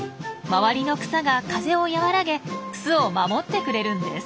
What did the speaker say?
周りの草が風を和らげ巣を守ってくれるんです。